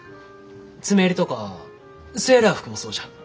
詰め襟とかセーラー服もそうじゃ。